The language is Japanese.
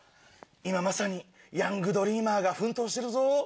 今まさにヤング・ドリーマーが奮闘してるぞ。